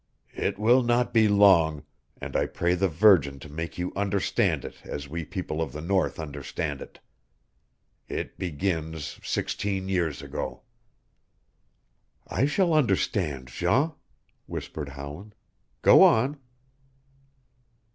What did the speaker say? "It will not be long, and I pray the Virgin to make you understand it as we people of the North understand it. It begins sixteen years ago." "I shall understand, Jean," whispered Howland. "Go on."